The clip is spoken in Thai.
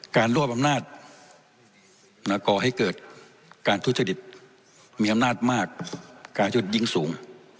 รวบอำนาจก่อให้เกิดการทุจริตมีอำนาจมากการชุดยิงสูง